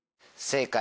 正解！